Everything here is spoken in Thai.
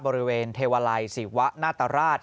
บริเวณเทวาลัยศิวะนาตราช